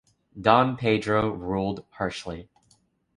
Don Pedro ruled harshly.